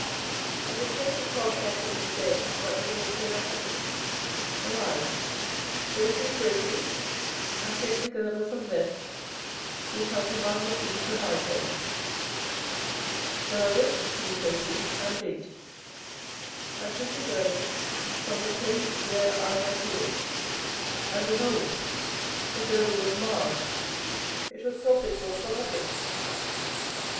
24:013:006 And it came to pass after many days, that the LORD said unto me, Arise, go to Euphrates, and take the girdle from thence, which I commanded thee to hide there. 24:013:007 Then I went to Euphrates, and digged, and took the girdle from the place where I had hid it: and, behold, the girdle was marred, it was profitable for nothing.